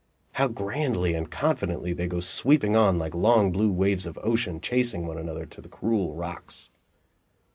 How grandly and confidently they go sweeping on like long blue waves of ocean chasing one another to the cruel rocks!